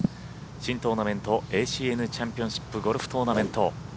新トーナメントＡＣＮチャンピオンシップゴルフトーナメント。